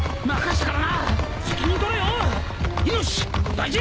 大事！